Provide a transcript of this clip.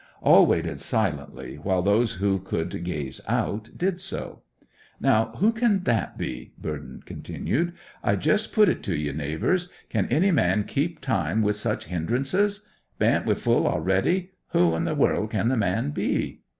All waited silently, while those who could gaze out did so. 'Now, who can that be?' Burthen continued. 'I just put it to ye, neighbours, can any man keep time with such hindrances? Bain't we full a'ready? Who in the world can the man be?